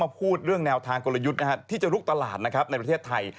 พูดเรื่องแนวทางกลยุทธ์นะครับที่จะลุกตลาดนะครับในประเทศไทย